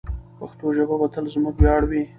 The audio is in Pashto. پښتو ژبه به تل زموږ ویاړ وي.